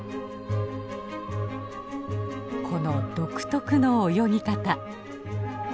この独特の泳ぎ方